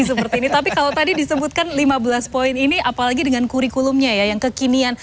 seperti ini tapi kalau tadi disebutkan lima belas poin ini apalagi dengan kurikulumnya ya yang kekinian